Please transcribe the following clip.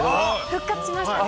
復活しましたね。